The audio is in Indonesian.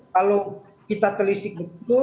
kalau kita telisik betul